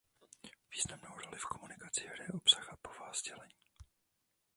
Významnou roli v komunikaci hraje obsah a povaha sdělení.